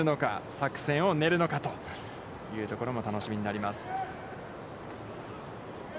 作戦を練るのかというところも楽しみになります。